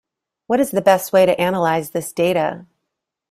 What is the best way to analyze this data?